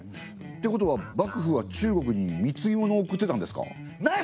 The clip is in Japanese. ってことは幕府は中国に貢物を贈ってたんですか？